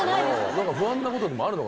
何か不安なことでもあるのか？